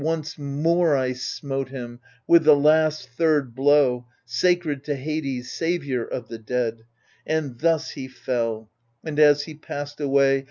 Once more I smote him, with the last third blow, Sacred to Hades, saviour of the dead. And thus he fell, and as he passed away.